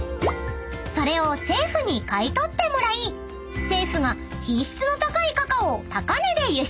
［それを政府に買い取ってもらい政府が品質の高いカカオを高値で輸出］